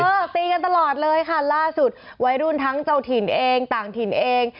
ตีกันตลอดเลยค่ะล่าสุดวัยรุ่นทั้งเจ้าถิ่นเองต่างถิ่นเอง